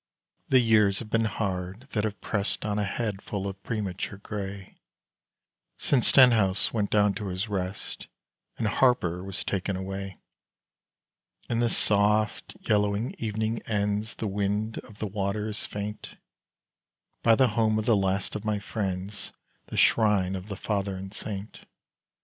The years have been hard that have pressed On a head full of premature grey, Since Stenhouse went down to his rest, And Harpur was taken away. In the soft yellow evening ends, The wind of the water is faint By the home of the last of my friends The shrine of the father and saint.